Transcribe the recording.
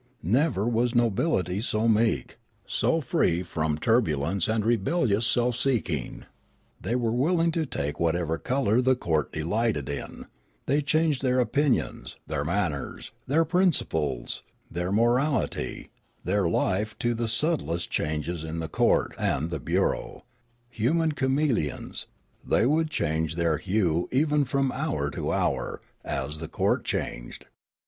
Never was a nobility so meek, so free from turbulence and rebellious self seeking ; the}^ were willing to take whatever colour the court delighted in ; they changed their opinions, their manners, their principles, their morality, their life to the subtlest changes in the court and the bureau ; human chame leons, they would change their hue even from hour to hour, as the court changed.